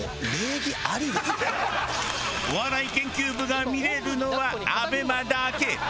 お笑い研究部が見れるのはＡＢＥＭＡだけ。